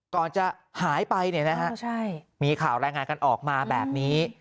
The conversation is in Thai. ก่อนจะหายไปเนี่ยนะฮะมีข่าวแรงงานกันออกมาแบบนี้